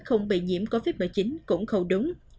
không bị nhiễm covid một mươi chín cũng không đúng